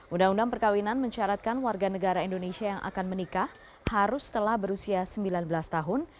undang undang perkawinan mencaratkan warga negara indonesia yang akan menikah harus telah berusia sembilan belas tahun